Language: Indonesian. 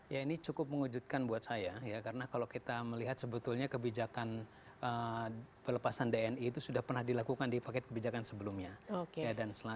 ya ini cukup mengejutkan buat saya ya karena kalau kita melihat sebetulnya kebijakan pelepasan dni itu sudah pernah dilakukan di paket kebijakan sebelumnya